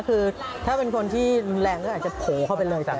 คือถ้าเป็นคนที่รุนแรงก็อาจจะโผล่เข้าไปเลย